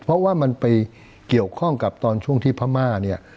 เพราะว่ามันไปเกี่ยวข้องกับตอนช่วงที่พม่าเนี่ย